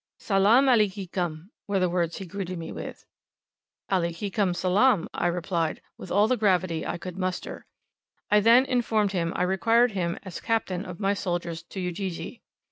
"Salaam aliekum," were the words he greeted me with. "Aliekum salaam," I replied, with all the gravity I could muster. I then informed him I required him as captain of my soldiers to Ujiji.